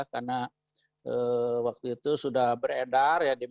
karena waktu itu sudah beredar ya